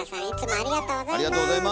ありがとうございます。